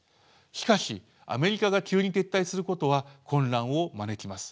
しかしアメリカが急に撤退することは混乱を招きます。